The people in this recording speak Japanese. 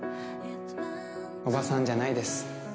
おばさんじゃないです。